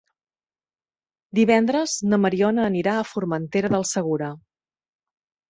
Divendres na Mariona anirà a Formentera del Segura.